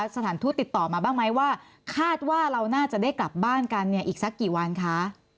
สถานทูตติดต่อมาบ้างไหมว่าคาดว่าเราน่าจะได้กลับบ้านกันเนี่ยอีกสักกี่วันคะ